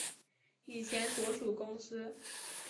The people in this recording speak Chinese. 以前所属公司